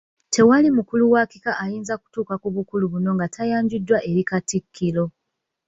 Tewali mukulu wa kika ayinza kutuula ku bukulu buno nga tayanjuddwa eri Katikkiro.